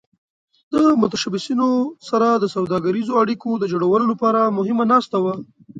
د متشبثینو سره د سوداګریزو اړیکو د جوړولو لپاره مهمه ناسته وه.